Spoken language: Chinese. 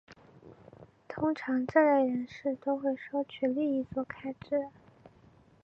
通常这类人士都会收取利益作开支。